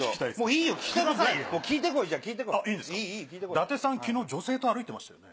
伊達さん昨日女性と歩いてましたよね？